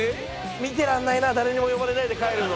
見てられないな誰にも呼ばれないで帰るの。